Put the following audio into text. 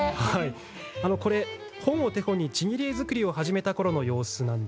これ、本を手本にちぎり絵作りを始めたころの様子。